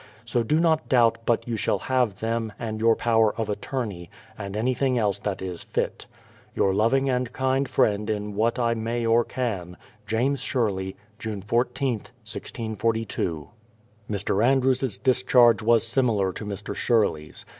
So do not doubt but you shall have them, and your power of attorney, and anything else that is fit. ... Your loving and kind friend in what I may or can, JAMES SHERLEY. June 14th, 1642. Mr. Andrews' discharge was similar to Mr. Sherley's.